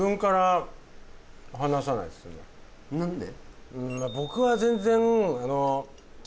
何で？